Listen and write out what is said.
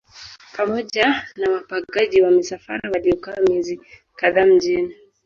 Pamoja na wapagazi wa misafara waliokaa miezi kadhaa mjini